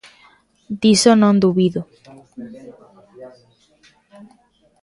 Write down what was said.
Diso non dubido.